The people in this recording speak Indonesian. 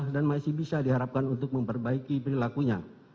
masih bisa diharapkan untuk memperbaiki perilakunya